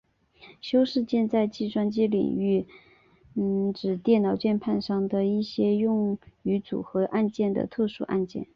修饰键在计算机领域指电脑键盘上的一些用于组合按键的特殊按键。